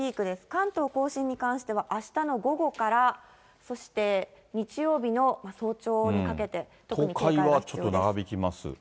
関東甲信に関しては、あしたの午後から、そして日曜日の早朝にかけて、東海はちょっと長引きます。